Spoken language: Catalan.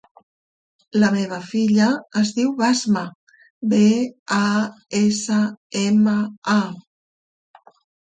La meva filla es diu Basma: be, a, essa, ema, a.